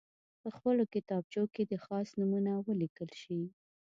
په خپلو کتابچو کې دې خاص نومونه ولیکل شي.